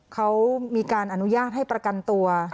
เขามีการอนุญาตให้ประกันตัว